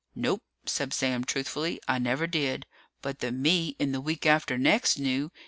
"Nope," said Sam truthfully. "I never did. But the me in the week after next knew.